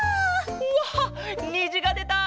わっにじがでた！